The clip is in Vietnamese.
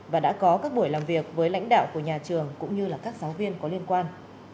và đã có các buổi làm việc với lãnh đạo của nhà trường cũng như các giáo viên có liên quan